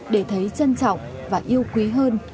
để thấy trân trọng và yêu quý hơn